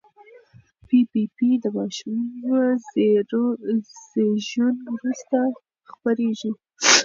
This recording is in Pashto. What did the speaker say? پي پي پي د ماشوم زېږون وروسته خپرېږي.